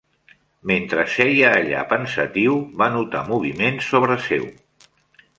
Mentre seia allà pensatiu va notar moviment sobre seu.